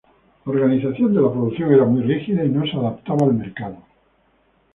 La organización de la producción era muy rígida y no se adaptaba al mercado.